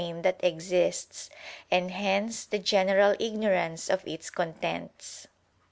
PREFACE vii that exists, and hence the general ignorance of its contents.